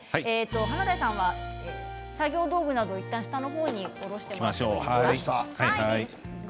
華大さんは作業道具などをいったん下の方に下ろしてください。